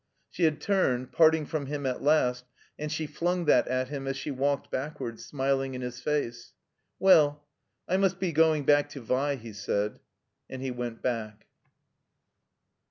She had turned, parting from him at last, and she flimg that at him as she walked backward, smiling in his face. ''Well — I must be going back to Vi," he said. And he went back.